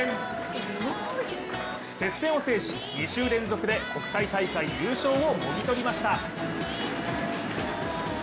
接戦を制し、２週連続で国際大会優勝をもぎ取りました。